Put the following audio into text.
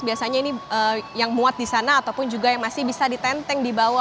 biasanya ini yang muat di sana ataupun juga yang masih bisa ditenteng di bawah